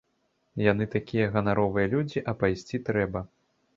Яны такія ганаровыя людзі, а пайсці трэба.